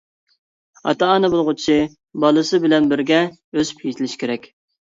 ئاتا-ئانا بولغۇچى بالىسى بىلەن بىرگە ئۆسۈپ يېتىلىشى كېرەك.